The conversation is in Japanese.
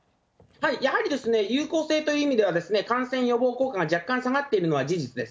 やはり、有効性という意味では、感染予防効果が若干下がっているのは事実です。